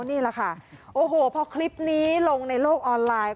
นี่แหละค่ะโอ้โหพอคลิปนี้ลงในโลกออนไลน์